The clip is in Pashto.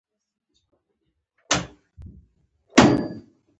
پټی شته هر څه شته.